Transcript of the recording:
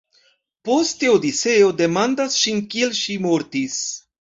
Poste Odiseo demandas ŝin kiel ŝi mortis.